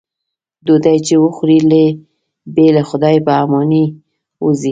ډوډۍ چې وخوري بې له خدای په امانۍ وځي.